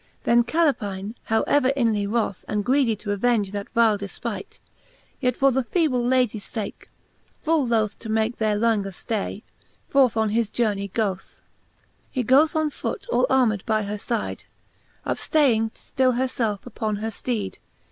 Then Caleptne^ how ever inly wroth, And greedy to avenge that vile difpight, Yet for the feeble Ladies fake, full loth To make there lenger ftay, forth oa his journey goth^ XLVI. He goth on foote all armed by her (ide, Upftaying ftill her felfe uppon her fteeide.